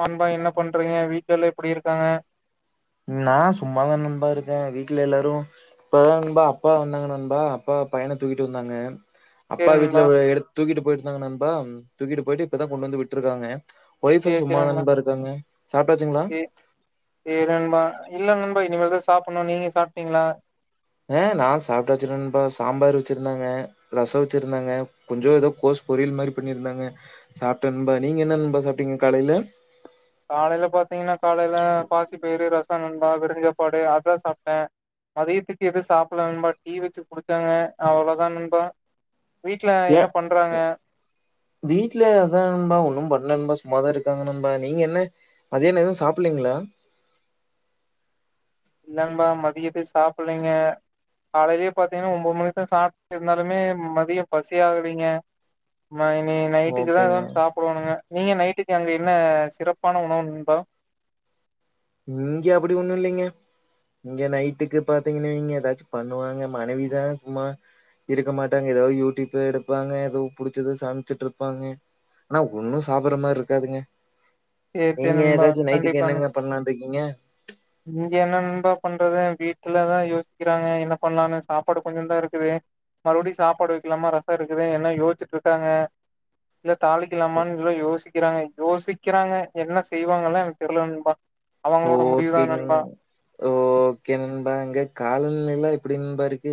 நண்பா என்ன பண்றீங்க வீட் வீட்ல எல்லா எப்டி இருக்காங்க நா சும்மாதா நண்பா இருக்க வீட்ல எல்லாரு இப்பதா நண்பா அப்பா வந்தாங்க நண்பா அப்பா பையன தூக்கிட்டு வந்தாங்க அப்பா சேரி நண்பா வீட்ல எடுத்து தூக்கிட்டு போயிட்டு இருந்தாங்க நண்பா தூக்கிட்டு போயிட்டு இப்பதா கொண்டு வந்து விட்ருக்காங்க ஒய்ப்பு சேரி சேரி சும்மாதா நண்பா இருக்காங்க சாப்டாச்சுங்களா சே சேரி நண்பா இல்ல நண்பா இனில்மேதா சாப்டணு நீங்க சாப்டீங்களா ஆ நா சாப்டாச்சு நண்பா சாம்பாரு வெச்சுருந்தாங்க ரசோ வெச்சுருந்தாங்க கொஞ்சோ ஏதோ கோஸ் பொரியல் மாரி பண்ணியிருந்தாங்க சாப்ட நண்பா நீங்க என்ன நண்பா சாப்டீங்க காலையில காலையில பாத்தீங்கன்னா காலையில பாசி பயிறு ரசம் காலைல சாப்பாடு அதா சாப்ட்டே மதியத்துக்கு எதுவு சாப்டல நண்பா டீ வச்சு குடுத்தாங்க அவ்வளதா நண்பா வீட்ல ஏ என்ன பண்றாங்க இந் வீட்ல அதா நண்பா ஒன்னு பண்ல நண்பா சு சும்மா தா இருக்காங்க நண்பா நீங்க என்ன மதியான எதுவு சாப்பிலலீங்களா இல்ல நண்பா மதியத்துக்கு சாப்பீலீங்க காலையலயே பாத்தீங்கன்னா ஒம்பது மணிக்கு தா சாப்ட்டு இருந்தாலுமே மதியம் பசி ஆகலீங்க மா இனி நைட்டுக்கு தா எதா ஓகேங்க சாப்பிடனுங்க நீங்க நைட் இன்னைக்கு அங்க என்ன சிறப்பான உணவு நண்பா இங்க அப்டி ஒண்ணு இல்லைங்க இங்க நைட்டுக்கு பாத்தீங்கன்னா இங்க ஏதாச்சு பண்ணுவாங்க மனைவிதா சும்மா இருக்க மாட்டாங்க ஏதாவது யூடியூப்ல எடுப்பாங்க ஏதோ புடிச்சத சமைச்சுட்டு இருப்பாங்க ஆனா ஒண்ணு சாப்ற மாரி இருக்காதுங்க செரி செரி நீங்க நண்பா ஏதாச்சு நைட்டுக்கு கண்டிப்பா நண் என்னங்க பண்ணலானு இருக்கீங்க இங்க என்ன நண்பா பண்றது இல்ல வீட்லதா யோசிக்கறாங்க என்ன பண்ணலான் சாப்பாடு கொஞ்ச தா இருக்குது மறுபடியு சாப்பாடு வைக்கலாம ரசம் இருக்குது என்ன யோசிச்சுட்டு இருக்காங்க இல்ல தாளிக்கலாமன் இல்ல யோசிக் க்கறாங்க யோசிக் வக்கிறாங்க என்ன செய்வாங்கல்லா எனக்கு தெர்ல நண்பா அவங்களோட முடிவுதா ஓகேங் நண்பா ஓகே நண்பாங்க காலநிலையிலா எப்டி நண்பா இருக்கு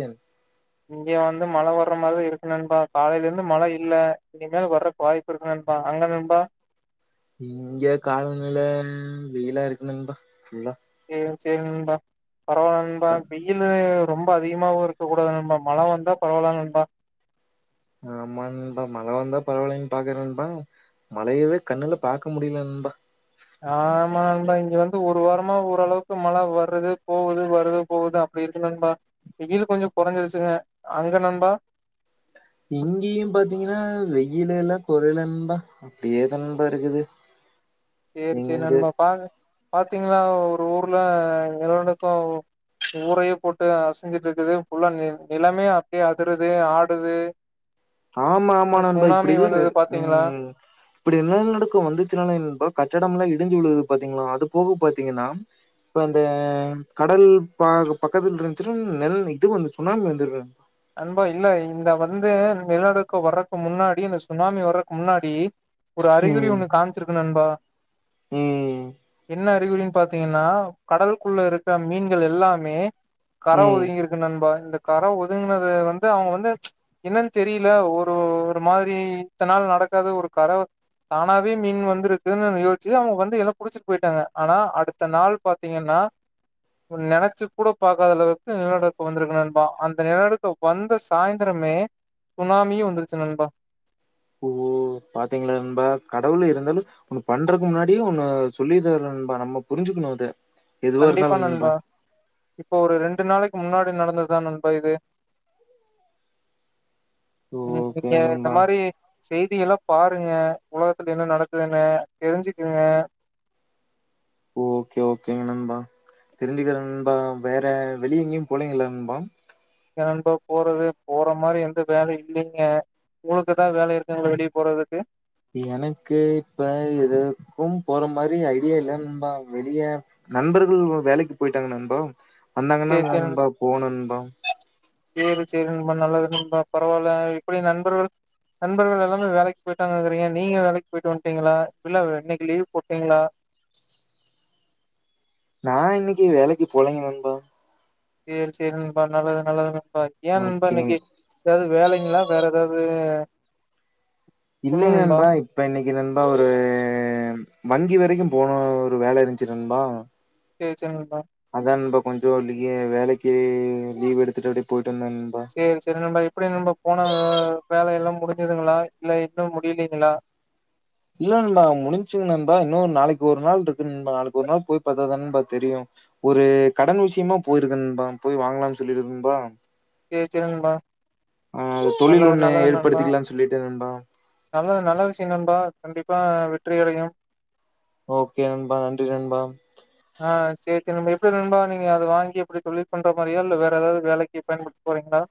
இங்க வந்து மழை வர்ற மாதிரி இருக்கு நண்பா காலையல இருந்து மழை இல்ல இனிமே வர்றக்கு வாய்ப்பு இருக்கு நண்பா அங்க நண்பா இங்க காலநில வெயிலா இருக்கு நண்பா ஃபுல்லா செரி செரி நண்பா பரவால்ல நண்பா வெயிலு ரொம்ப அதிகமாவு இருக்க கூடாது நண்பா மழை வந்தா பரவால்லா நண்பா ஆமா நண்பா மழை வந்தா பரவாயில்லைன்னு பாக்கறே நண்பா மழையவே கண்ணுல பாக்க முடியல நண்பா ஆமா நண்பா இங்க வந்து ஒரு வாரமா ஓரளவுக்கு மழை வருது போகுது வருது போகுது அப்டி இருக்கு நுண்பா வெயிலு கொஞ்ச குறைஞ்சிருச்சுங்க அங்க நண்பா இங்கேயும் பாத்தீங்கன்னா வெயிலுல்லா குறையல நண்பா அப்டியே தா நண்பா இருக்குது செரி செரி இங்க நண்பா பா பாக் பாத்தீங்கன்னா ஒரு ஊர்ல நிறுவனுக்கும் ஊரையே போட்டு அசிஞ்சுட்டு இருக்குது ஃபுல்லா நி நிலமே அப்டியே அதிருது ஆடுது ஆமா ஆமா நண்பா சுனாமி இப்டி இல்ல வந்தது பாத்தீங்களா ம் இப்டி நிலநடுக்கம் வந்துச்சுனே நண்பா கட்டடம் எல்லா இடிஞ்சு விழுது பாத்தீங்களா அது போக பாத்தீங்கன்னா இப்ப அந்த கடல் ப பக்கத்துல இருந்துச்சும் நெல் இது வந்து சுனாமி வந்துருறது நண்பா இல்ல இந்த வந்து நிலநடுக்க வர்றதுக்கு முன்னாடி இந்த சுனாமி வர்றதுக்கு முன்னாடி ஒரு அறிகுறி ம் ஒண்ணு காமிச்சிருக்கு நண்பா ம் என்ன அறிகுறின் பாத்தீங்கன்னா கடலுக்குள்ள இருக்க மீன்கள் எல்லாமே கர ம் ஒதுங்கிருக்கு நண்பா இந்த கர ஓத் வந்து அவுங்க வந்து என்னன்னு தெரியல ஒரு ஒரு மாதிரி இத்தன நாள் நடக்காத ஒரு கரவை தானாவே மீன் வந்துருக்குன்னு யோசிச்சு அவுங்க வந்து புடிச்சுட்டு போயிட்டாங்க ஆனா அடுத்த நாள் பாத்தீங்கன்னா நினைச்சு கூட பாக்காத அளவுக்கு நில நடுக்கம் வந்திருக்கு இந்த நிலநடுக்கோ வந்த சாயிந்தரமே சுனாமியு வந்துருச்சு நண்பா ஓ பாத்தீங்களா நண்பா கடவுள் இருந்தாலு ஒன்னு பண்றதுக்கு முன்னாடியு ஒன்னு சொல்லி இருப்பாரு நண்பா நம்ப புரிஞ்சுக்கணு அத எதுவா இருந்தாலு நண்பா இப்போ ஒரு ரெண்டு நாளைக்கு முன்னாடி நடந்ததுதா நண்பா இது ம் நீங்க ஓகேங்க இந்த நண்பா மாரி செய்தியெல்லா பாருங்க உலகத்துல என்ன நடக்குதுன்னு தெரிஞ்சுக்குங்க ஓகே ஓகேங்க நண்பா தெரிஞ்சுக்குறங் நண்பா வேற வெளிய எங்கேயும் போலிங்களா நண்பா எங்க நண்பா போறது போற மாரி எந்த வேலை இல்லிங்க உங்களுக்குதா வேலை இருக்குங்களா வெளிய போறதுக்கு எனக்கு இப்ப எதுக்கும் போற மாரி ஐடியா இல்ல நண்பா வெளிய நண்பர்கள் வேலைக்கு போயிட்டாங்க நண்பா வந்தாங்கன்னா நண்பா போணு நண்பா சேர் சேர் நண்பா நல்லது நண்பா பரவால்ல இப்டி நண்பர்கள் நண்பர்கள் எல்லாமே வேலைக்கு போயிட்டாங்கங்கறீங்க நீங்க வேலைக்கு போயிட்டு வன்ட்டீங்களா இல்ல இன்னிக்கு லீவ் போட்டீங்களா நா இன்னிக்கு வேலைக்கு போலீங்க நண்பா சேர் சேர் நண்பா நல்லது நல்லதுதா பாத்தியா நண்பா ஓகே இன்னிக்கு ஏதாவது வேலைங்களா வேற ஏதாவது இல்லைங்க நண்பா இப்ப இன்னிக்கு நண்பா ஒரு வங்கி வரைக்கும் போனு ஒரு வேல இருச்சு நண்பா சேர் சேர் நண்பா அதா நண்பா கோயிபத்தூர்லியே வேலைக்கு லீவ் எடுத்துட்டு அப்டியே போயிட் சேர் சேர் நண்பா எப்டி நண்பா போன வே வேல எல்லாம் முடிஞ்சுதுங்களா இல்ல இன்னும் முடியிலீங்களா இல்ல நண்பா முடிஞ்சுங் நண்பா இன்னு நாளைக்கு ஒரு நாள் இருக்கு நண்பா நாளைக்கு ஒரு நாள் போய் பாத்தாதான நண்பா தெரியு ஒரு கடன் விஷ்யமா போயிருக்க நண்பா போய் வாங்கலான் சொல்லிருக்கு நண்பா சேர் சேர் நண்பா ஆ தொழில் நல்லது ஒண்ணு நல்லது நண்பா ஏற்படுத்திக்கலாம்னு சொல்லிட்டு நண்பா. நல்லது நல்ல விஷ்யம் நண்பா கண்டிப்பா வெற்றி அடையும் ஓகே நண்பா நன்றி நண்பா ஆ சேர் சேர் நண்பா எப்டி நண்பா நீங்க அத வாங்கி எப்டி தொழில் பண்ற மாரியா இல்ல வேற ஏதாவது வேலைக்கு பயன்படுத்த போறீங்களா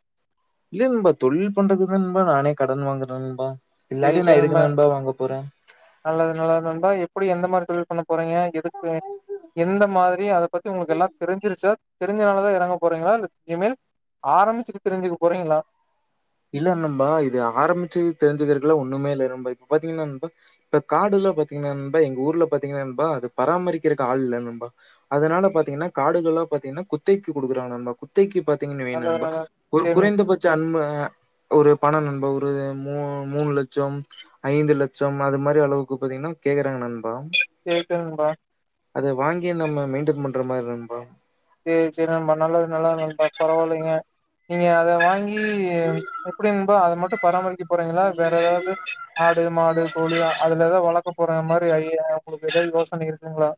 இல்ல நண்பா தொழில் பண்றதுக்குதா நண்பா நானே கடன் வாங்குற நண்பா சேர் இல்லாட்டி சேர் நான் நண்பா எதுக்கு வாங்க போறேன்? நல்லது நல்லது நண்பா எப் எப்டி எந்த மாரி தொழில் பன்னப் போறீங்க எடுத்து எந்த மாதிரி அத பத்தி உங்களுக்கு எல்லா தெருஞ்சுருச்சா தெருஞ்சனாலதா எறங்க போறீங்களா இல்ல இனிமேல் ஆரம்பிச்சுட்டு தெருஞ்சுக்க போறீங்களா இல்ல நண்பா இது ஆரம்பிச்சு தெரிஞ்சுக்குறதுக்குலா ஒண்ணுமே இல்ல நண்பா இப்ப பாத்தீங்கன்னா நண்பா இப்ப காடெல்லா பாத்தீங்கன்னா நண்பா எங்க ஊர்ல பாத்தீங்கன்னா நண்பா அது பராமரிக்கிறக்கு ஆள் இல்ல நண்பா அதனால பாத்தீங்கன்னா காடுகள்ல்லா பாத்தீங்கன்னா குத்தைக்கு குடுக்குறாங்க நண்பா குத்தைைக்கு பாத் திங்னா வெயிங் நல்லது நண்பா நல்லது ஒரு சேரி குறைந்தபட்ச அன்ப ஒரு பணம் நண்பா ஒரு மூ மூணு லட்சம் ஐந்து லட்சம் அது மாரி அளவுக்கு பாத்தீங்கன்னா கேக்குறாங்க நண்பா சேர் சேர் நண்பா அத வாங்கி நம்ம மெயின்டென் பண்ற மாரி நண்பா சேர் சேர் நண்பா நல்லது நல்லது நண்பா பரவால்லைங்க நீங்க அத வாங்கி எப்டி நண்பா அத மட்டு பராமரிக்கப் போறீங்களா வேற ஏதாவது ஆடு மாடு கோழி அதுல எது வளக்க போற மார் எது ஐடியா குடுக்குறக்கு உங்களுக்கு யோசனை இருக்குங்களா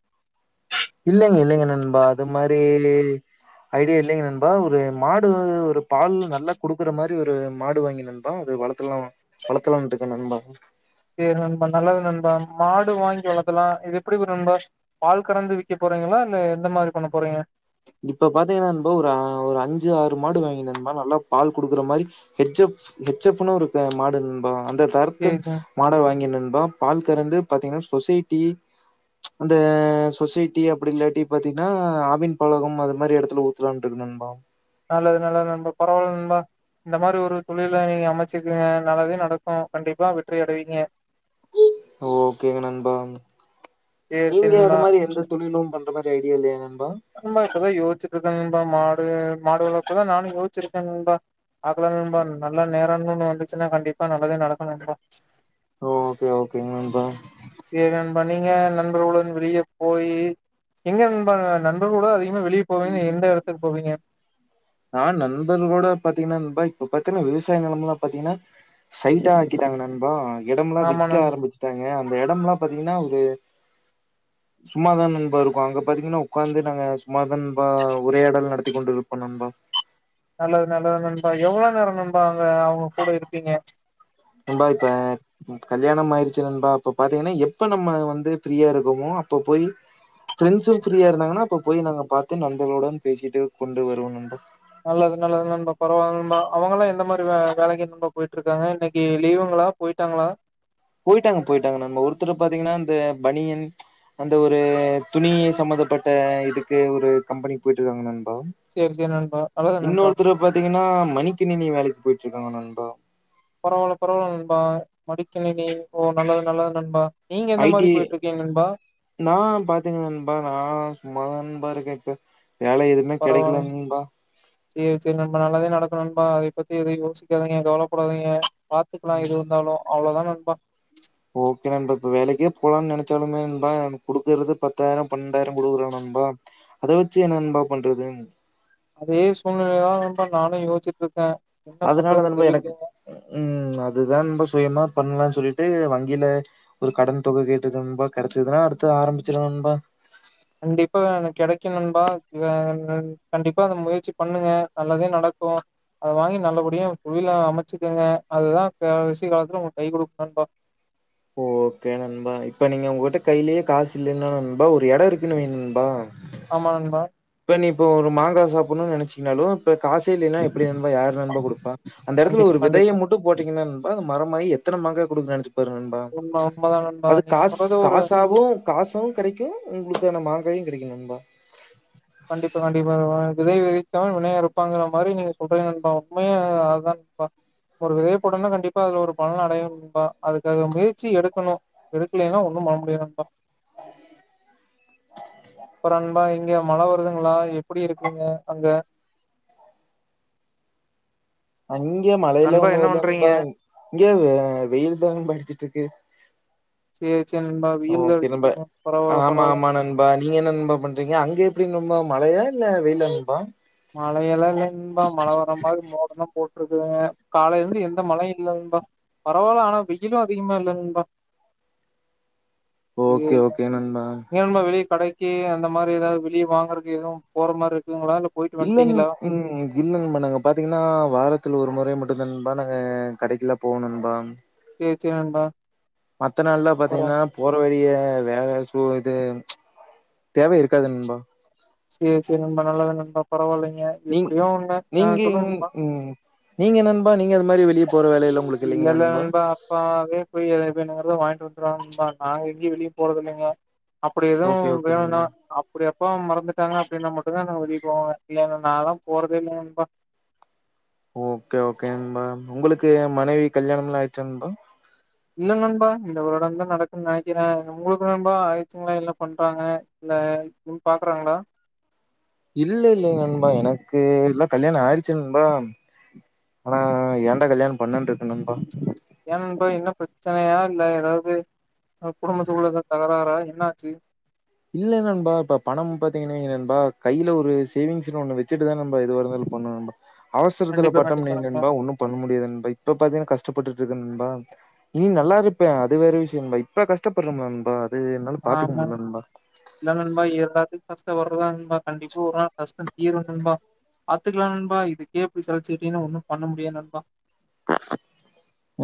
இல்லைங்க இல்லைங்க நண்பா அது மாரி ஐடியா இல்லைங்க நண்பா ஒரு மாடு ஒரு பால் நல்லா குடுக்குற மாரி ஒரு மாடு வாங்கி நண்பா அது வளத்துலா வளத்துலான்ட்டு இருக்க நண்பா சேரி இப்பல்லா இது எப்டி ஒரு நண்பா பால் கறந்து விக்க போறீங்களா இல்ல எந்த மாரி பண்ண போறீங்க இப்ப பாத்தீங்கன்னான்பா ஃப்ரோ ஒரு ஒரு அஞ்சு ஆறு மாடு வாங்கி நண்பா நல்லா பால் குடுக்குற மாரி ஹெச்எப் ஹெச்எப்ன்னு ஒரு மாடு இருக்கு நண்பா அந்த தரத்து சேரி மாட வாங்கி நண் பா பால் கறந்து பாத்தீங்கன்னா சொசைட்டி ச் அந்த சொசைட்டி அப்டி இல்லாட்டி பாத்தீங்கன்னா ஆவின் பழகம் அது மாரி எடத்துல ஊத்துலாட்டு இருக்க நன்பா நல்லது நல்லது நண்பா பரவால்ல நண்பா இந்த மாரி ஒரு தொழில நீங்க அமைச்சுருக்கீங்க நல்லதே நடக்கு கண்டிப்பா வெற்றி அடைவீங்க ஓகேங்க நண்பா சேரி நீங்க சேரி நண்பா அது மாரி எந்த தொழிலும் பண் அந்த மாரி ஐடியா இல்லயா ஹிம்பா இப்பதா யோசுட்டு இருக்காங்க நண்பா மாடு மாடு வளர்ப்பதா நானு யோச்சுருக்க நன்பா பாக்லா நண்பா நல்ல நேரனு ஒன்னு வந் இருந்துச்சுன்னா கண்டிப்பா நல்லதே நடக்கு நண்பா ஓகே ஓகே நண்பா பா நீங்க நண்பர்களுட வெளிய போயி எங்க நண்பா நன் கூட அதிகமா வெளிய போவீங்கன்னா எந்த எடத்துக்கு போவீங்க நான் நண்பர்களோட பாத்தீங்கன்னா நண்பா இப்ப பாத்தீங்கன்னா விவசாய நிலமெல்லா பாத்தீங்கன்னா சைட்டா ஆக்கிட்டாங்க நண்பா எடம் எல்லா ஆமா விக்க நண் ஆரம்பிச்சுடாங்க அந்த எடம் எல்லா பாத்தீங்கன்னா ஒரு சும்மாதா நண்பா இருக்கு அங்க பாத்தீங்கன்னா உக்காந்து நாங்க சும்மாதான் நண்பா உரையாடல் நடத்தி கொண்டு இருப்போ நண்பா நல்லது நல்லது நண்பா எவ்ளவு நேரம் நண்பா அங்க அவங்க கூட இருப்பீங்க நண்பா இப்ப கல்யாணம் ஆயிருச்சு நண்பா அப்ப பாத்தீங்கன்னா எப்ப நம்ம வந்து ஃப்ரீயா இருக்கோமோ அப்ப போய் ஃப்ரெண்ட்ஸும் ஃப்ரீயா இருந்தாங்கன்னா அப்ப போய் நாங்க பாத்து நண்பர்களுடன் பேசிட்டு கொண்டு வருவோ நண்பா நல்லது நல்லது நன்பா பரவால்லா நண்பா அவங்கல்லா எந்த மாரி வேலைக்கு நண்பா போயிட்டு இருக்காங்க இன்னிக்கு லீவுங்களா போயிட்டாங்களா போயிட்டாங்க போயிட்டாங்க நண்பா ஒருத்தரு பாத்தீங்கன்னா அந்த பணியன் அந்த ஒரு துணி சம்பந்தப்பட்ட இதுக்கு ஒரு கம்பெனிக்கு போயிட்டு இருக்காங்க நண் அலோ சேரி சேரி நண்பா நல்லது நண்பா இன்னொருத்தரு பாத்தீங்கன்னா மடிக்கணினி வேலைக்கு போயிட் இதாங்க நண்பா பரவால பரவால நண்பா மடிக்கணினி ஓ நல்லது நல்லது நண்பா நீங்க எந்த மாரி ஐடி போயிட்ருக்கீங்க நண்பா நா பாத்தீங்க நண்பா நா சும்மாதா நண்பா இருக் கேகே வேல எதுமே கெடைக்கல பரவால்ல நண்பா சேரி சேரி நண்பா நல்லதே நடக்கு நண்பா அதை பத்தி எதயு யோசிக்காதீங்க கவலப்படாதீங்க பாத்துக்கலா எதுவந்தாலு அவ்ளொதா நா நண்பா ஓகே நண்பா இப்ப வேலைக்கே போலான் நெனச்சாலுமே நண்பா குடுக்குறது பத்தாயிரொ பன்னெண்டாயிரொ குடுக்குறா நண்பா அத வச்சு என்ன நண்பா பண்றது அதே சூழ்நெலயதா நண்பா நானு யோசுச்சுட்ருக்கே அதுனாலதா நண்பா எனக்கு ம் அதுதா நண்பா சுயமா பண்லா சொல்லிட்டு வங்கில ஒரு கடன் தொக கேட்ருக்கே நண்பா கெடச்சதுன்னா அடுத்து ஆரம்பிச்சிருவெ நண்பா கண்டிப்பா வ எனக் கெடைக்கு நண்பா வ அ கண்டிப்பா அந்த முயற்சி பண்ணுங்க நல்லதே நடக்கு அத வாங்கி நல்லபடியா தொழில அமச்சுக்கங்க அதுதா கடசி காலத்துல உங்களுக்கு கை குடுக்கு நண்பா ஓகே நண்பா இப்ப நீங்க உங்ககிட்ட கைலயே காசு இல்லைன்னா நண்பா ஒரு எடொ இருக்குன்னு வைங்க நண்பா ஆமா நண்பா இப்ப நீ இப்ப ஒரு மாங்கா சாப்புன்னுன் நெனச்சிங்கன்னாலு இப்ப காசே இல்லைனா எப்பிடி நண்பா யாரு நண்பா குடுப்பா அந்த எடத்துல கண்டிப்பா ஒரு விதைய கண்டிப்பா மட்டு போட்டீங்கன்னா நண்பா அது மரமாயி எ த்தன மங்கா குடுக்கு நெனச்சு பாரு நண்பா உண்ம உண்மதா நண்பா அது கா நீங்க சொல்றது ஒரு காச்சாவு காசு கெடைக்கு உங்களுக்கான மாங்காயு கெடைக்கு நண்பா கண்டிப்பா கண்டிப்பா நண்பா விதை விதை ப்பவ வினையருப்பாங்குற மாரி நீங்க சொல்றீங்க நண்பா உண்மையா அதுதா நண்பா ஒரு விதைய போட்டோன்னா கண்டிப்பா அதுல ஒரு பலன் அடைவொ நண்பா அதுக்காக முயற்சி எடுக்கணு ‌எடுக்கலைனா ஒன்னு பண்ண முடியாது நண்பா அப்பறொ நண்பா இங்க மழ வருதுங்களா எப்புடி இருக்குங்க அங்க அங்க மழையிலா நண்பா ஒன்னு என்ன வர்ல பண்றீங்க? நண்பா இங்க வ வெயில் தா நண்பா அடுச்சுட்ருக்கு சரி சரி நண்பா. வெயில் தான் ஓகே நண்பா அடிச்சுக்குதுங்க. பரவால்ல ஆமா பரவால்ல. ஆமா நண்பா நீங்க என்ன நண்பா பண்றீங்க அங்க எப்டி நண்பா மழையா இல்ல வெயிலா நண்பா மழை எல்லா இல்லங் நண்பா மழ வரமாரி மோடந்தா போ டுது காலைலெந்து எந்த மழையு இல்ல நண்பா பரவால்ல ஆனா வெயிலு அதிகமா இல்ல நண்பா இது ஓகே ஓகே நண்பா நீங்க நண்பா வெளிய கடைக்கு அந்த மாரி எதாது வெளிய வாங்கறக்கு எதுவு போற மாரி இருக்குங்களா இல்ல போயிட்டு இல்லன் வந்ட்டீங்களா? ம் இல்ல நண்பா நாங்க பாத்தீங்கன்னா வாரத்துல ஒரு முறை மட் டுதா நண்பா நாங்க கடைக்குலா போவொ நண்பா சேரி சேரி நண்பா மத்த நாள்ல அப்பறோ பாத்தீங்கன்னா போற வளிய [unintelligible] தேவை இருக்காது நண்பா சேரி சேரி நண்பா நல்லது நண்பா பரவால்லைங் நீ நீங்க உ நீங்க நண்பா நீங்க அது மாரி வெளிய போற வேலையெல்லா உங்களுக்கு இல்லைங்களா இல்லல்ல நண்பா அப்பாவே போய் எ வேண்டிரதா வாங்க நண்பா நாங்க எங்கயு வெளிய போறதில்லைங்க அப்டி எதுவு ஓகே ஓகே வேணுனா நண்பா அப்டி அப்பா மறந்துட்டாங்னா அப்டினா மட்டு தான்ங்க நா வெளிய போவே இல்லேனா நாலா போறதே இல்ல நண்பா ஓகே ஓகே நண்பா உங்களுக்கு மனைவி கல்யாணம்லா ஆயிடுச்சா நண்பா இல்ல நண்பா இந்த ஒறவ மறக்க நெனக்குறே உங்களுக்கு நண்பா ஆயிடுச்சுங்ளா இல்ல பண்றாங்க இல்ல இன்னு பாக்குறாங்ளா இல்ல இல்லல நண்பா எனக்கு எல்லா கல்யாண ஆயிடுச்சு நண்பா ஆனா ஏன்டா கல்யாணம் பண்ணேனு இருக்கு நண்பா ஏன் நண்பா என்ன பிரச்சனையா இல்ல ஏதாவது [unintelligible] அ குடும்பத்து உள்ளர தகரார என்னாச்சு இல்ல நண்பா இப்ப பணம் பாத்தீங்னா நண்பா கையில ஒரு சேவிங்ஸ்னு ஒன்னு வெச்சுட்டுதா நண்பா இது வர இருந்த பண்ணனு நண்பா அவசரத்துல கண்டிப்பா கண்டிப்பா பாத்தோம்னே நண்பா ஒன்னு பண்ண முடியாது நண்பா இப்ப பாத்தீங்னா கஷ்டப்பட்டுட்டு இருக்கோ நண்பா ம் நல்லா இருப்பே அது வேற விஷய நண்பா இப்ப கஷ்டப்பறமே நண்பா இது என்னால பாத்துக்க ஆமா முடியல நண்பா இல்ல நண்பா எல்லாத்துக்கு கஷ்ட வர்றதா நண்பா கண்டிப்பா ஒரு நாள் கஷ்ட தீரும் நண்பா பாத்துக்லா நண்பா இதுக்கே இப்டி சலுச்சுகிட்டீங்னா ஒன்னு பண்ண முடியாது நண்பா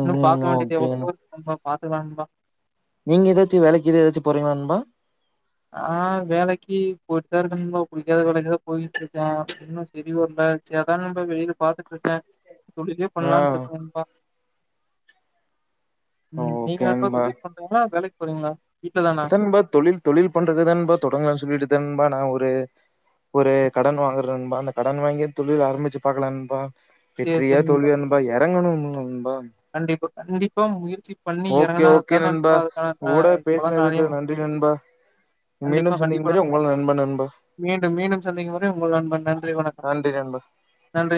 இன்னு பாக்க ம் வேண்டியது ஓகே எவ்வளவோ இருக்கு நண்பா பாத்துக்லா நண்பா நீங்க ஏதாச்சு வேலைக்கு ஏதாச்சு போறீங்ள நண்பா ஆ வேலைக்கு போய்ட்டுதா இருக்கே நண்பா புடிக்காத வேலைக்குதா போயிட்டு இருக்கே இன்னு செரி வரல சரி அதா நம்ப வெளில பாத்துட்டு இருக்கே முடிவே பண்ணலான்டு இருக்கோ நண்பா ஆ உம் நீங்க ஓகே என்ன தொழில் பண்றீங்ளா இல்ல வேலைக்கு போரிங்ளா அதா நண்பா தொழில் தொழில் பண் இப்ப தா நண்பா தொடங்கலானு சொல்லிட்டுதா நண்பா நா ஒரு கடன் வாங்குறே நண்பா அந்த கடன் வாங்கி தொழில் ஆரம்பிச்சு பாக்கலாம்னு நண்பா சரி வெற்றியா சரி தோல்வியா நண்பா எறங்கணு நண்பா கண்டிப்பா கண்டிப்பா முயற்சி பண்ணி ஓகே எறங்னா ஓகே தான நண்பா உங்க கூட அதுக்கான பலன் அறிய பேசுனதுக்கு முடியு நன்றி நண்பா கண்டிப்பா மீண்டும் சந்திக்கும் வரை கண்டிப்பா உங்கள் நண்பன் நண்பா மீண்டும் மீண்டும் சந்திக்கும் வரை உங்க நண்பன் நன்றி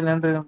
நன்றி னா